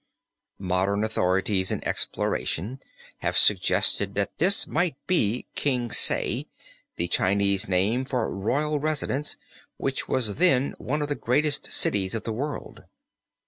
Modern authorities in exploration have suggested that this might be King Sae, the Chinese name for Royal Residence, which was then one of the greatest cities of the world.